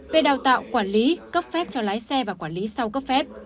về đào tạo quản lý cấp phép cho lái xe và quản lý sau cấp phép